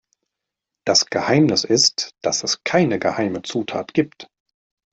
Das Geheimnis ist, dass es keine geheime Zutat gibt.